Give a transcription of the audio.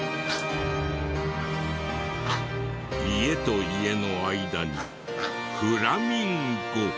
家と家の間にフラミンゴ。